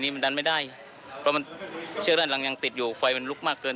เพราะว่าเครื่องระอะไรติดอยู่ไฟก็ลุกมากเกิน